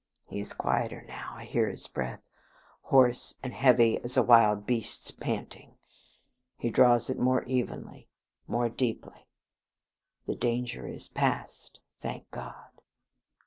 ... He is quieter now. I hear his breath, hoarse and heavy as a wild beast's panting. He draws it more evenly, more deeply. The danger is past. Thank God!